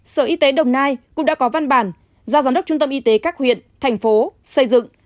sở y tế đồng nai cũng đã có văn bản giao giám đốc trung tâm y tế các huyện thành phố xây dựng